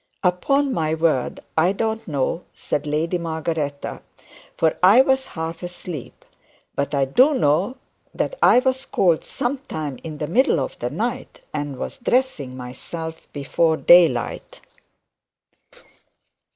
'Upon my word, I don't know,' said the Lady Margaretta, 'for I was half asleep. But I do know that I was called sometime in the middle of the night, and was dressing myself before daylight.'